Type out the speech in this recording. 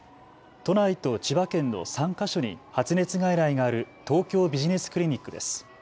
都内と千葉県の３か所に発熱外来がある東京ビジネスクリニックです。